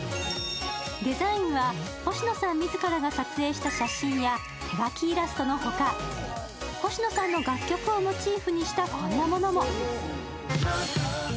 デザインは星野さん自らが撮影した写真や手描きイラストの他、星野さんの楽曲をモチーフにしたこんなものも。